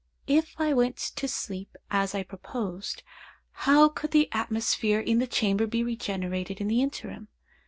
If I went to sleep as I proposed, how could the atmosphere in the chamber be regenerated in the interim?